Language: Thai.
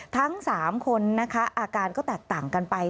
ทั้ง๓คนนะคะอาการก็แตกต่างกันไป